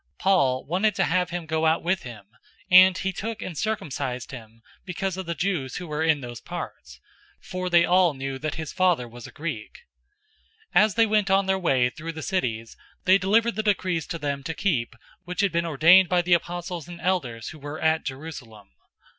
016:003 Paul wanted to have him go out with him, and he took and circumcised him because of the Jews who were in those parts; for they all knew that his father was a Greek. 016:004 As they went on their way through the cities, they delivered the decrees to them to keep which had been ordained by the apostles and elders who were at Jerusalem.